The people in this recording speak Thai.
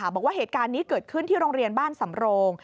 บอกว่าเหตุการณ์นี้เกิดขึ้นที่โรงเรียนบ้านสำโรง